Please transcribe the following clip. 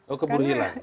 oh keburu hilang